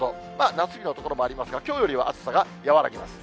夏日の所もありますが、きょうよりは暑さが和らぎます。